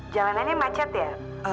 jalanannya macet ya